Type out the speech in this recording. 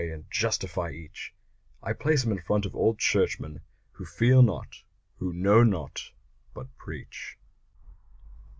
and justify each I place him in front of all churchmen Who feel not, who know not but preach!